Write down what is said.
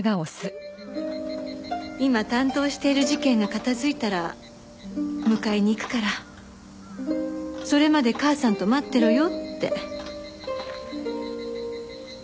今担当している事件が片付いたら迎えに行くからそれまで母さんと待ってろよって。